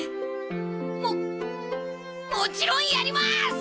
もっもちろんやります！